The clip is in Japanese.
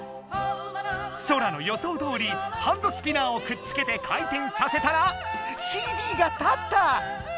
ソラの予想どおりハンドスピナーをくっつけて回転させたらＣＤが立った！